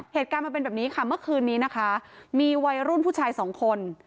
เหตุการณ์มันเป็นแบบนี้ค่ะเมื่อคืนนี้นะคะมีวัยรุ่นผู้ชายสองคน